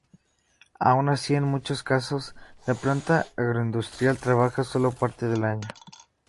Aun así en muchos casos la planta agroindustrial trabaja solo parte del año.